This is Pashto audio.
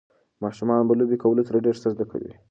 ماشومان په لوبې کولو سره ډېر څه زده کوي.